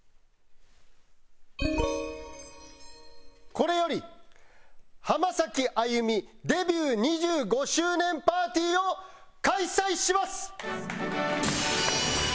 これより浜崎あゆみデビュー２５周年パーティーを開催します！